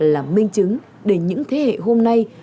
là minh chứng để những thế hệ hôm nay